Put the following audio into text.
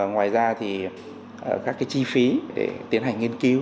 ngoài ra thì các cái chi phí để tiến hành nghiên cứu